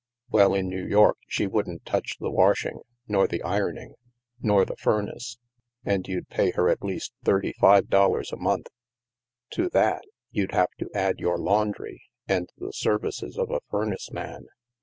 "Well, in New York, she wouldn't touch the washing, nor the ironing, nor the furnace, and you'd pay her at least thirty five dollars a month! To that, you'd have to add your laundry, and the serv ices of a furnace man.